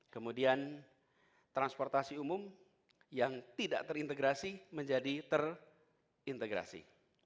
kemudian transportasi umum yang tidak terintegrasi menjadi terintegrasi